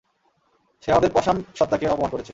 সে আমাদের পসাম সত্ত্বাকে অপমান করেছে।